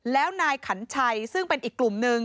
แล้วนายขันชัยซึ่งเป็นอีกกลุ่มนึง